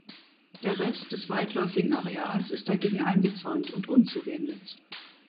Der Rest des weitläufigen Areals ist dagegen eingezäunt und unzugänglich.